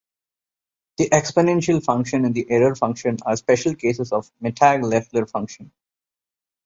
The exponential function and the error function are special cases of the Mittag-Leffler function.